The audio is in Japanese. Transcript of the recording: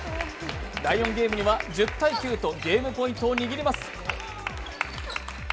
第４ゲームには１０−９とゲームポイントを握ります。